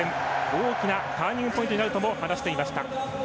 大きなターニングポイントになるとも話していました。